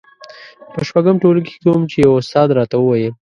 په شپږم ټولګي کې وم چې يوه استاد راته وويل.